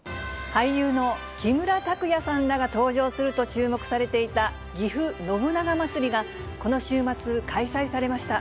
俳優の木村拓哉さんらが登場すると注目されていた、ぎふ信長まつりが、この週末、開催されました。